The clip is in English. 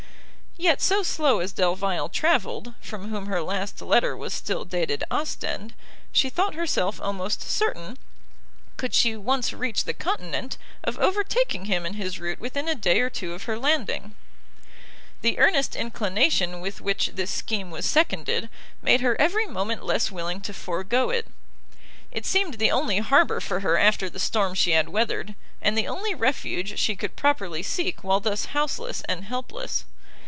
Yet so slow as Delvile travelled, from whom her last letter was still dated Ostend, she thought herself almost certain, could she once reach the continent, of overtaking him in his route within a day or two of her landing. The earnest inclination with which this scheme was seconded, made her every moment less willing to forego it. It seemed the only harbour for her after the storm she had weathered, and the only refuge she could properly seek while thus houseless and helpless.